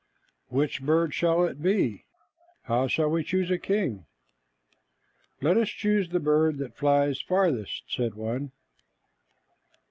"Which bird shall it be? How shall we choose a king?" "Let us choose the bird that flies farthest," said one.